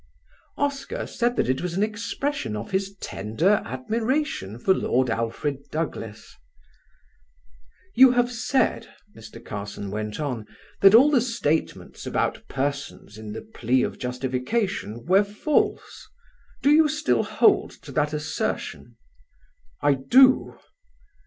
Oscar said that it was an expression of his tender admiration for Lord Alfred Douglas. "You have said," Mr. Carson went on, "that all the statements about persons in the plea of justification were false. Do you still hold to that assertion?" "I do."